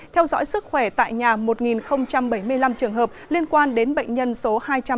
theo dõi sức khỏe tại nhà một bảy mươi năm trường hợp liên quan đến bệnh nhân số hai trăm sáu mươi